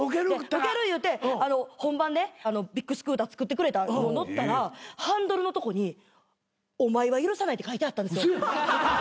ウケる言うて本番でビッグスクーター作ってくれたのを乗ったらハンドルのとこに「お前は許さない」って書いてあったんですよ。